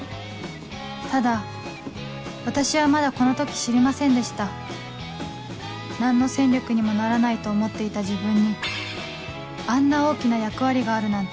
ただ私はまだこの時知りませんでした何の戦力にもならないと思っていた自分にあんな大きな役割があるなんて